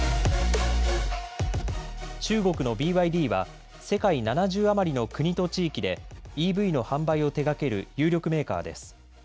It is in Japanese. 中国のＢＹＤは世界７０余りの国と地域でＥＶの販売を手がける有力メーカーです。